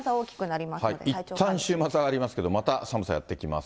いったん週末上がりますけど、また寒さやって来ます。